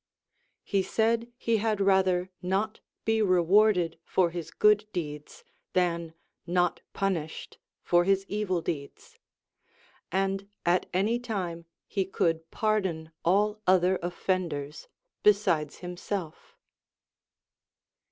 He said he had rather not be rewarded for his good deeds than not punished for his evil deeds ; and at any time he could pardon all other offenders besides himself.